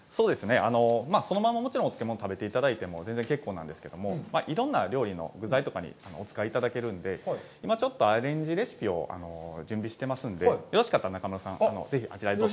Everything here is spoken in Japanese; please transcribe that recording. そのままもちろんお漬物食べていただいても全然結構なんですけれども、いろんな料理の具材とかにお使いいただけるので、今、ちょっとアレンジレシピをご準備してますんで、よろしかったら中丸さん、ぜひ、あちらへどうぞ。